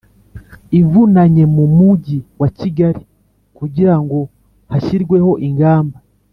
ivunanye mu Mujyi wa Kigali kugira ngo hashyirweho ingamba